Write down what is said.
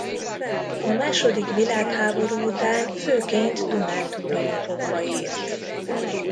A második világháború után főként dunántúli lapokba írt.